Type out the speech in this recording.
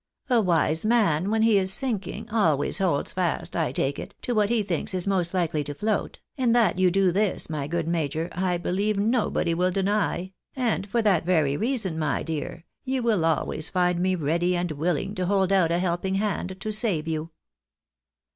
A wise man, when he is sinking, always holds fast — I take it — to what he thinks is most likely to fioat, and that you do this, my good major, I believe nobody will deny ; and for that very reason, my dear, you will always find me ready and wiUing to hold out a helping hand to save you."